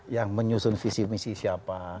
yang menyusun visi misi siapa